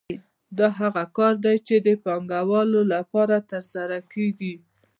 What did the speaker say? دا هغه کار دی چې د پانګوالو لپاره ترسره کېږي